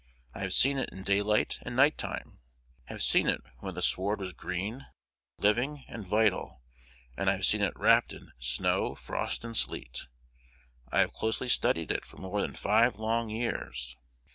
I have seen it in daylight and night time; have seen it when the sward was green, living, and vital; and I have seen it wrapped in snow, frost, and sleet. I have closely studied it for more than five long years....